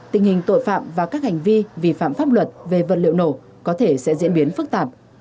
tình hình tội phạm và các hành vi vi phạm pháp luật về vật liệu nổ có thể sẽ diễn biến phức tạp